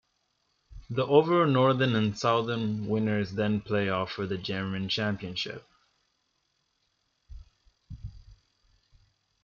The overall northern and southern winners then play off for the German Championship.